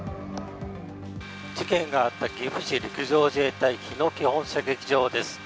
事件があった岐阜市陸上自衛隊、日野基本射撃場です